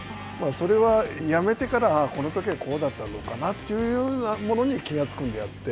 それはやめてから、ああ、このときはこうだったのかなということに気付くのであって。